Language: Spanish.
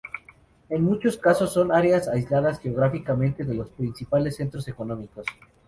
En muchos casos son áreas aisladas geográficamente de los principales centros económicos.